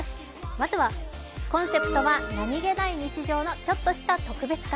まずはコンセプトは何気ない日常の中の“ちょっとした特別感”。